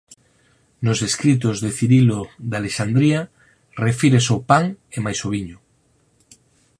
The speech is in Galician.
Nos escritos de Cirilo de Alexandría refírese ao pan e mais ao viño.